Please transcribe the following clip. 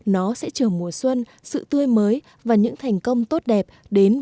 nó sẽ chờ mùa xuân sự tươi mới và những thành công tốt đẹp đến với tất cả mọi người